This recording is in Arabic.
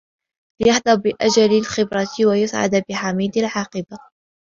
لِيَحْظَى بِأَجَلِّ الْخِبْرَةِ وَيَسْعَدَ بِحَمِيدِ الْعَاقِبَةِ